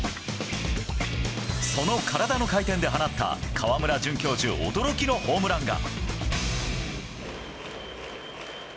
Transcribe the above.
その体の回転で放った、川村准教授驚きのホームランが。